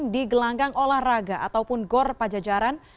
di gelanggang olahraga ataupun gor pajajaran